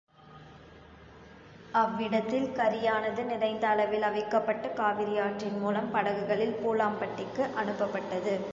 அவ்விடத்தில் கரியானது நிறைந்த அளவில் அவிக்கப்பட்டுக் காவிரியாற்றின் மூலம் படகுகளில் பூலாம் பட்டிக்கு அனுப்பப்பட்டது.